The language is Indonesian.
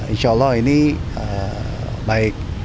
insya allah ini baik